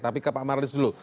tapi ke pak marlis dulu